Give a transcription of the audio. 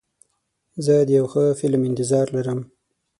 زه د یو ښه فلم انتظار لرم.